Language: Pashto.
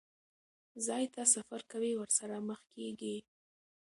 ځای ته سفر کوي، ورسره مخ کېږي.